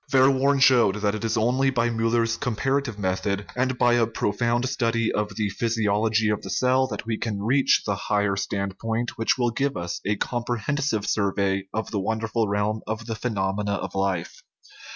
Verworn showed that it is only by Miil ler's comparative method and by a profound study of the physiology of the cell that we can reach the higher stand point which will give us a comprehensive survey of the wonderful realm of the phenomena of life.